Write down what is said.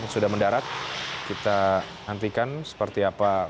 sudah mendarat kita nantikan seperti apa